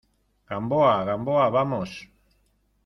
Gamboa, Gamboa , vamos.